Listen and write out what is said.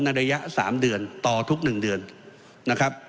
ในระยะ๓เดือนต่อทุก๑เดือน